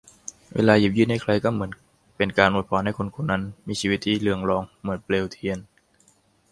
เวลาหยิบยื่นให้ใครก็เหมือนเป็นการอวยพรให้คนคนนั้น มีชีวิตที่เรืองรองเหมือนเปลวเทียน